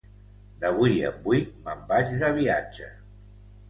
D'avui en vuit me'n vaig de viatge.